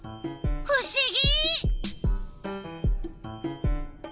ふしぎ！